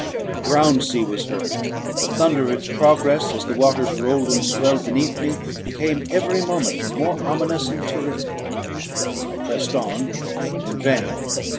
A ground sea was heard; the thunder of its progress, as the waters rolled and swelled beneath me, became every moment more ominous and terrific. I pressed on, but in vain.